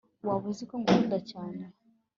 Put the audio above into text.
waba uziko ngukunda cyane